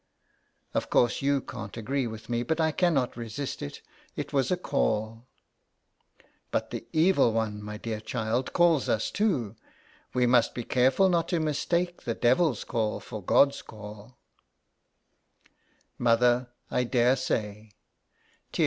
Of course you can't agree with me, but I cannot resist it, it was a call.'' ''But the Evil One, my dear child, calls us too; we must be careful not to mistake the devil's call for God's call." 145 THE EXILE. " Mother, I daresay."